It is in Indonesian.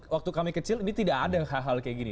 waktu kami kecil ini tidak ada hal hal kayak gini